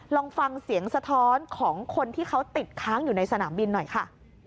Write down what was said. ลองฟังเสียงสะท้อนของคนที่เขาติดค้างอยู่ในสนามบินหน่อยค่ะ